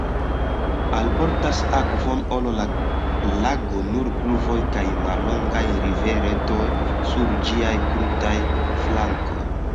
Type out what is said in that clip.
Alportas akvon al la lago nur pluvoj kaj mallongaj riveretoj sur ĝiaj krutaj flankoj.